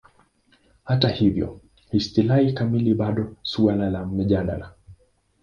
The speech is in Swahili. Hata hivyo, istilahi kamili bado suala la mjadala.